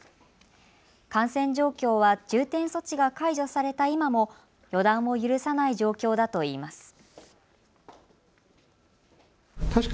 感染状況は重点措置が解除された今も予断を許さない状況だといいます。